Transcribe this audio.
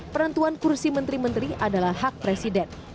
penentuan kursi menteri menteri adalah hak presiden